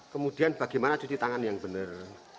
kemudian bagaimana cuci tangan yang benar